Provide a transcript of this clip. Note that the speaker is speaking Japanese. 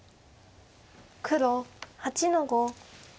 黒８の五。